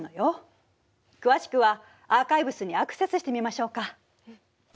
詳しくはアーカイブスにアクセスしてみましょうか。